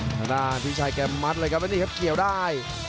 ทางด้านพี่ชายแกมัดเลยครับแล้วนี่ครับเกี่ยวได้